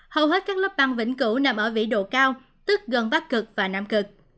hầu hết các lớp băng vĩnh cửu nằm ở vị độ cao tức gần bắc cực và nam cực